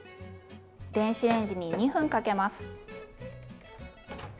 電子レンジに２分かけます。